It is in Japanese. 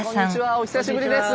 お久しぶりです。